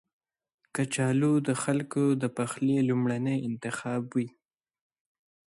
کچالو د خلکو د پخلي لومړنی انتخاب وي